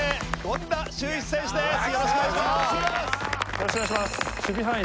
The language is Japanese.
よろしくお願いします。